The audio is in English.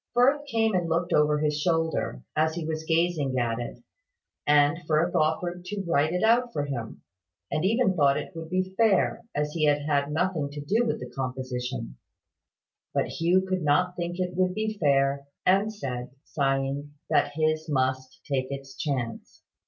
Firth came and looked over his shoulder, as he was gazing at it; and Firth offered to write it out for him; and even thought it would be fair, as he had had nothing to do with the composition: but Hugh could not think it would be fair, and said, sighing, that his must take its chance.